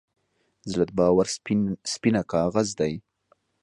زړه د باور سپینه کاغذ دی.